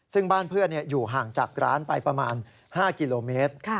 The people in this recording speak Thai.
ซึ่งบ้านเพื่อนอยู่ห่างจากร้านไปประมาณ๕กิโลเมตร